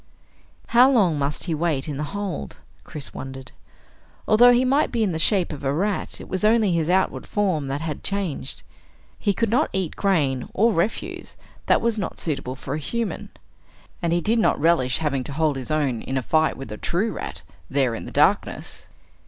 How long must he wait in the hold? Chris wondered. Although he might be in the shape of a rat, it was only his outward form that had changed. He could not eat grain or refuse that was not suitable for a human, and he did not relish having to hold his own in a fight with a true rat, there in the darkness.